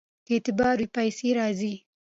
که اعتبار وي پیسې راځي.